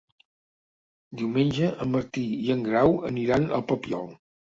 Diumenge en Martí i en Grau aniran al Papiol.